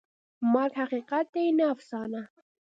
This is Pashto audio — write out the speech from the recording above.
مرګ حقیقت دی، نه افسانه.